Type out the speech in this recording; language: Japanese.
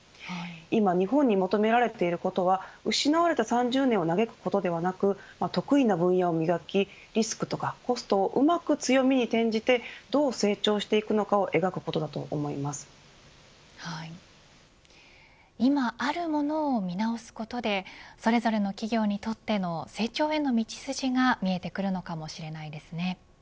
今日本に求められていることは失われた３０年をなげくことではなく得意な分野を磨きリスクやコストをうまく強みに転じてどう成長していくのかを今あるものを見直すことでそれぞれの企業にとっての成長への道筋が見えてくるのかもしれないですね。